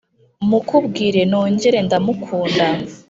Mukubwire nongere ndamukunda